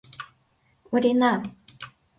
Орина!